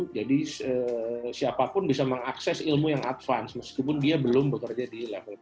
jadi siapapun bisa mengakses ilmu yang advance meskipun dia belum bekerja di level profesional